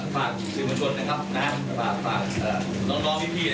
ฝากสิมชนนะครับฝากฝากน้องพี่นะครับ